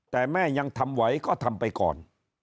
แต่แม่ยังทำไหวก็ทำไปก่อน